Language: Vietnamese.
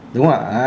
đúng không ạ